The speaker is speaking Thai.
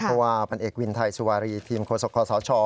เพราะว่าพันธุ์เอกวินไทยสุวารีทีมคศ